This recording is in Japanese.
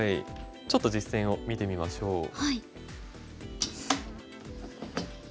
ちょっと実戦を見てみましょう。